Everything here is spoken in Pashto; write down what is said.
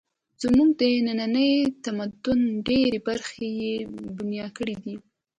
زموږ د ننني تمدن ډېرې برخې یې بنا کړې دي